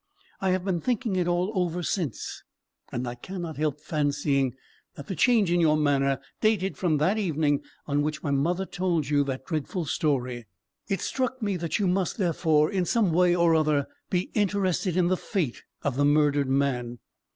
I have been thinking it all over since, and I cannot help fancying that the change in your manner dated from the evening on which my mother told you that dreadful story. It struck me, that you must, therefore, in some way or other, be interested in the fate of the murdered man.